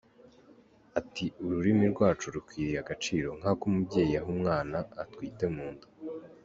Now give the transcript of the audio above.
Ati “Ururimi rwacu rukwiriye agaciro nk’ako umubyeyi aha umwana atwite mu nda.